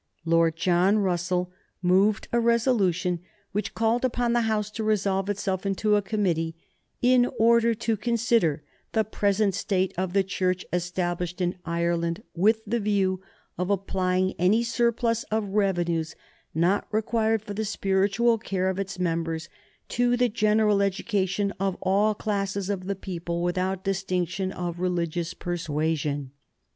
Lord John Russell moved a resolution which called upon the House to resolve itself into a committee "in order to consider the present state of the Church established in Ireland, with the view of applying any surplus of revenues not required for the spiritual care of its members to the general education of all classes of the people without distinction of religious persuasion."